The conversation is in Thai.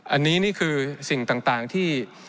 อันนี้นี่คือสิ่งต่างที่